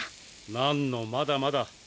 なんのまだまだ。